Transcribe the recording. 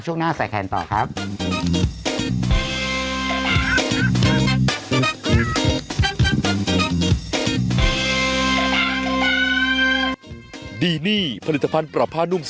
จริงต้องการไม่ได้จริง